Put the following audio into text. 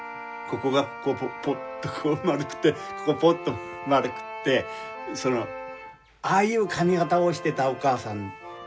ここがポッとこう丸くてここがポッと丸くってそのああいう髪形をしてたお母さん。